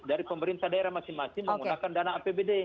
dari pemerintah daerah masing masing menggunakan dana apbd